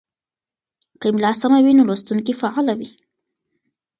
که املا سمه وي نو لوستونکی فعاله وي.